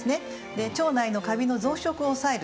で腸内のカビの増殖を抑える作用